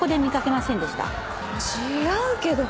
知らんけど。